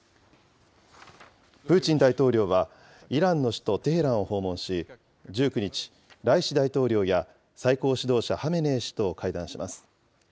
プーチン大統領はイランの首都テヘランを訪問し、１９日、ライシ大統領や、最高指導者ハメネイ師と会談します。